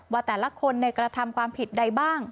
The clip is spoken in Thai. ว่าแต่ละคนกระทำความผิดใดบ้าง